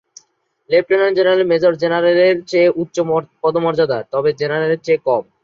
Lieutenant general major জেনারেলের চেয়ে উচ্চ পদমর্যাদার, তবে জেনারেলের চেয়ে কম।